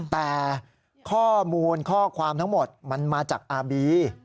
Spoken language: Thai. แต่ข้อมูลข้อความทั้งหมดมันมาจากอาร์บี